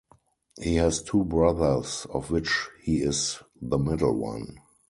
He has two brothers of which he is the middle one.